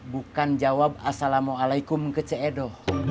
bukan jawab assalamualaikum ke c edo